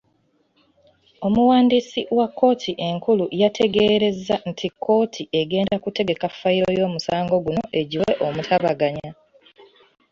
Omuwandiisi wa kkooti enkulu yategeerezza nti kkooti egenda kutegeka fayiro y'omusango guno egiwe omutabaganya